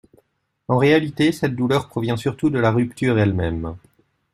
En réalité, cette douleur provient surtout de la rupture elle-même.